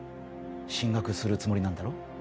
進学するつもりなんだろう？